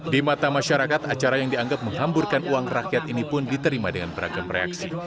di mata masyarakat acara yang dianggap menghamburkan uang rakyat ini pun diterima dengan beragam reaksi